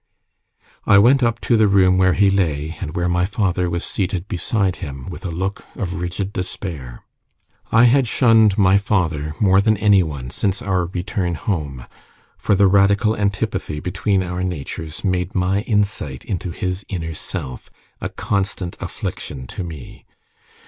I went up to the room where he lay, and where my father was seated beside him with a look of rigid despair. I had shunned my father more than any one since our return home, for the radical antipathy between our natures made my insight into his inner self a constant affliction to me.